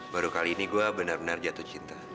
baru kali ini gue benar benar jatuh cinta